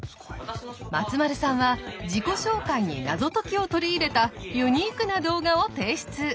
松丸さんは自己紹介に謎解きを取り入れたユニークな動画を提出。